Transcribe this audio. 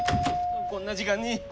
こんな時間に。